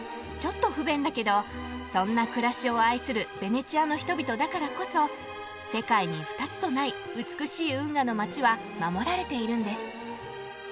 ちょっと不便だけどそんな暮らしを愛するベネチアの人々だからこそ世界に２つとない美しい運河の街は守られているんです。